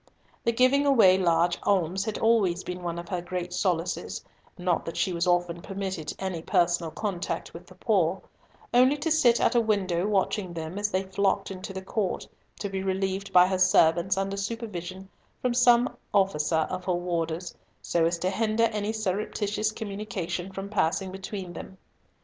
The giving away large alms had always been one of her great solaces—not that she was often permitted any personal contact with the poor: only to sit at a window watching them as they flocked into the court, to be relieved by her servants under supervision from some officer of her warders, so as to hinder any surreptitious communication from passing between them.